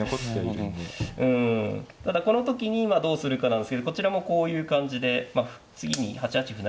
うんただこの時にどうするかなんですけどこちらもこういう感じで次に８八歩